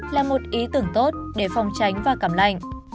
là một ý tưởng tốt để phòng tránh và cảm lạnh